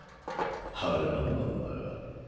あれ何なんだよ？